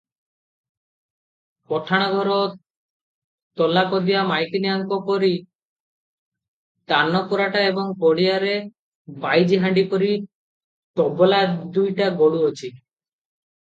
ପଠାଣ ଘର ତଲାକଦିଆ ମାଇକିନିଆଙ୍କ ପରି ତାନପୁରାଟା ଏବଂ ପଡ଼ିଆରେ ବାଇଜିହାଣ୍ତି ପରି ତବଲା ଦୁଇଟା ଗଡୁଅଛି ।